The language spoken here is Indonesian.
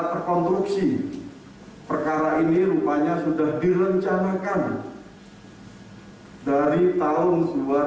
terkonstruksi perkara ini rupanya sudah direncanakan dari tahun dua ribu dua